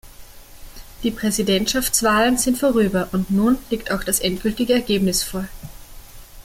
Die Präsidentschaftswahlen sind vorüber, und nun liegt auch das endgültige Ergebnis vor.